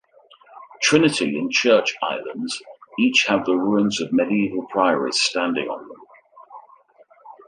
Trinity and Church Islands each have the ruins of medieval priories standing on them.